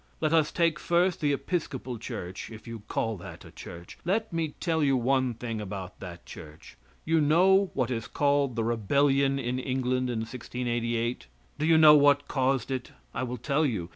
Let us take, first, the Episcopal church if you call that a church. Let me tell you one thing about that church. You know what is called the rebellion in England in 1688? Do you know what caused it? I will tell you.